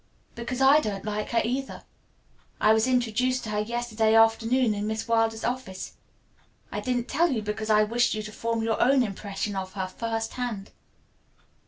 "Because I don't like her, either. I was introduced to her yesterday afternoon in Miss Wilder's office. I didn't tell you, because I wished you to form your own impression of her, first hand."